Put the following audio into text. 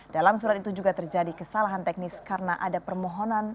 dalam surat itu juga terjadi kesalahan teknis karena ada permohonan